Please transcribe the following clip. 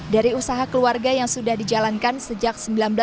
dari usaha keluarga yang sudah dijalankan sejak seribu sembilan ratus delapan puluh